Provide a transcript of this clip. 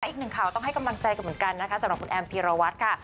อีกหนึ่งข่าวต้องให้กำลังใจกันเหมือนกันนะคะสำหรับคุณแอมพีรวัตรค่ะ